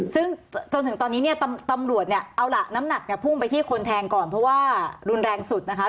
ซึ่งจนถึงตอนนี้เนี่ยตำรวจเนี่ยเอาล่ะน้ำหนักเนี่ยพุ่งไปที่คนแทงก่อนเพราะว่ารุนแรงสุดนะคะ